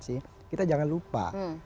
sih kita jangan lupa